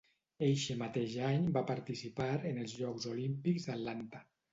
Eixe mateix any va participar en els Jocs Olímpics d'Atlanta.